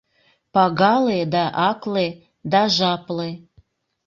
Пагале да акле, да жапле